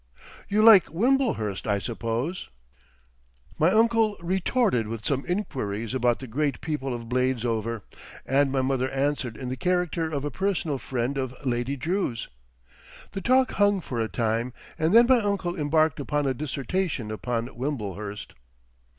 You like Wimblehurst, I suppose?" My uncle retorted with some inquiries about the great people of Bladesover, and my mother answered in the character of a personal friend of Lady Drew's. The talk hung for a time, and then my uncle embarked upon a dissertation upon Wimblehurst.